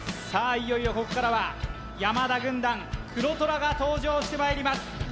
いよいよここからは山田軍団黒虎が登場してまいります